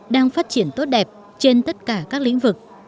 đang phát triển tốt đẹp trên tất cả các lĩnh vực